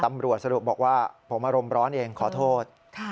ตำรวจสรุปบอกว่าผมอารมณ์ร้อนเองขอโทษ